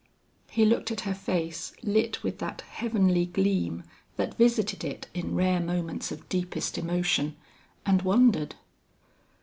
He looked at her face lit with that heavenly gleam that visited it in rare moments of deepest emotion, and wondered.